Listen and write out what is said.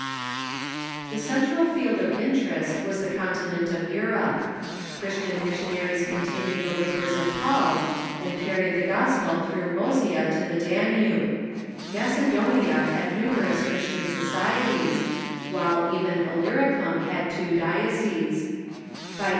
The central field of interest M'as the continent of Euroj)e. Christian missionaries continued the labors of Paul, and car ried the gospel through Moesia to the Danube, Mace pfni'nsuia <^o"^^ ^'^^^ numerous Christian societies, while even Illyricum had two dioceses. By a.